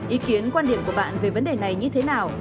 ý kiến quan điểm của bạn về vấn đề này như thế nào